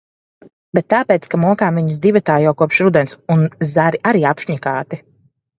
Bet tāpēc, ka mokām viņus divatā jau kopš rudens. Un zari arī apšņakāti.